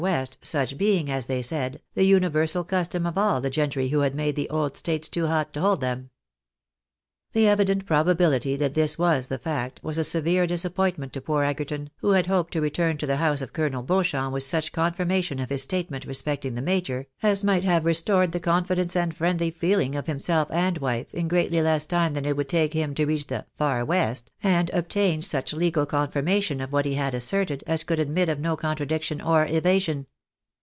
west," such being, as they said, tlie universal custom of all the gentrj who had made the " Old States" too hot to hold them. The evident probability that this was the fact, was a severe dis appointment io poor Egerton, who had hoped to return to the house of Colonel Beauchamp with such confirmation of his statement respecting the major, as might have restored the confidence and friendly feeling of himself and wife, in greatly less time than it would take him to reach the " far west," and obtain such legal con firmation of what he had asserted, as could admit of no contra diction or evasion.